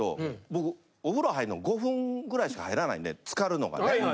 僕お風呂入んの５分ぐらいしか入らないんでつかるのがね。